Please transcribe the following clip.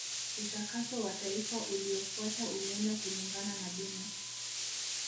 Utakaso wa taifa uliofuata ulienda kulingana na dini